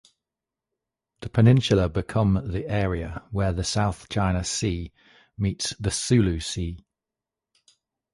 The peninsula become the area where the South China Sea meets the Sulu Sea.